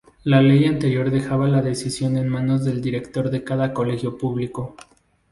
La ley anterior dejaba la decisión en manos del director de cada colegio público.